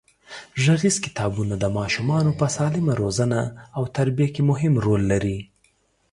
غږیز کتابونه د ماشومانو په سالمه روزنه او تربیه کې مهم رول لري.